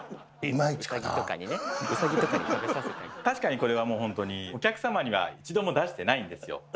確かにこれはもうほんとにお客様には一度も出していないんですよ。